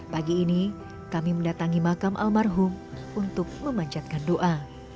pagi ini kami mendatangi makam almarhum untuk memanjatkan doa